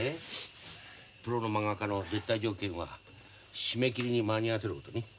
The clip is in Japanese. プロのまんが家の絶対条件は締め切りに間に合わせることね。